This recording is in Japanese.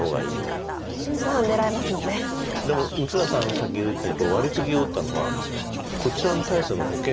さっき打ったようにワリツギを打ったのはこちらに対しての保険。